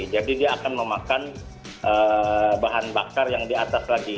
jadi dia akan memakan bahan bakar yang di atas lagi